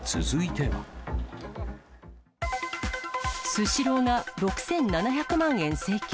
スシローが６７００万円請求。